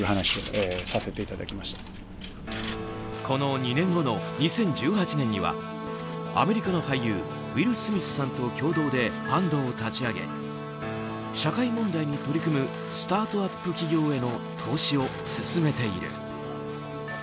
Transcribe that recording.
この２年後の２０１８年にはアメリカの俳優ウィル・スミスさんと共同でファンドを立ち上げ社会問題に取り組むスタートアップ企業への投資を進めている。